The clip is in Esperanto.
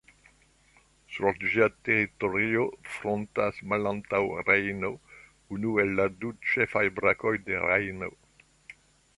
Sur ĝia teritorio fontas Malantaŭa Rejno, unu el la du ĉefaj brakoj de Rejno.